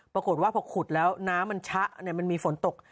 ปรากฏว่าพอขุดแล้วน้ำมันชะมันมีฝนตก